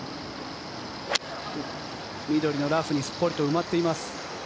緑のラフにすっぽりと埋まっています。